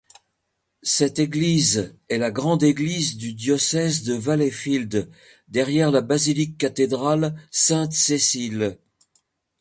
Cette église est la grande église du Diocèse de Valleyfield derrière la Basilique-Cathédrale Sainte-Cécile.